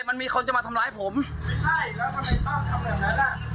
มันมีคนจะมาทำร้ายผมไม่ใช่แล้วทำไมป้าทำแบบนั้นอ่ะ